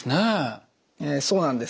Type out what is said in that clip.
そうなんです。